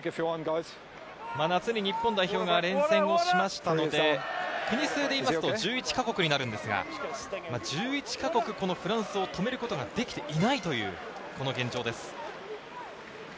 夏に日本代表が連戦したので、組数でいうと１１ヶ国になるんですが、１１ヶ国、フランスを止めることができていないという現状です。